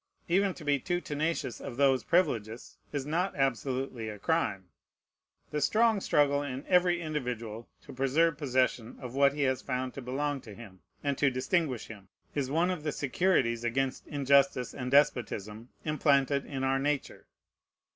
Even to be too tenacious of those privileges is not absolutely a crime. The strong struggle in every individual to preserve possession of what he has found to belong to him, and to distinguish him, is one of the securities against injustice and despotism implanted in our nature.